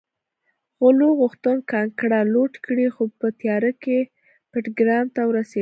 غلو غوښتل کانګړه لوټ کړي خو په تیاره کې بټګرام ته ورسېدل